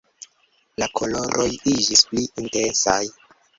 La koloroj iĝis pli intensaj.